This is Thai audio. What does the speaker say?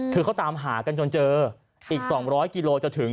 คือเขาตามหากันจนเจออีก๒๐๐กิโลจะถึง